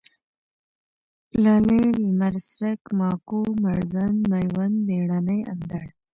لالی ، لمرڅرک ، ماکو ، مړوند ، مېوند ، مېړنی، اندړ